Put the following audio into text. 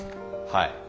はい。